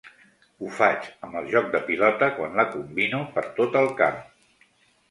Ho faig amb el joc de pilota quan la combino per tot el camp.